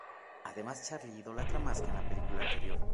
Además, Charlie idolatra más que en la película anterior.